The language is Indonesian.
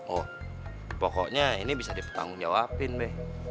oh pokoknya ini bisa dipertanggungjawabin be